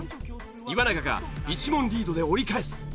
岩永が１問リードで折り返す。